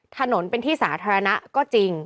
ถนนเป็นที่สาธารณะก็จริง